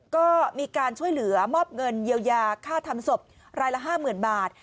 ก็มีการช่วยเหลือมอบเงินเยียวยาค่าทำศพรายละ๕๐๐๐บาท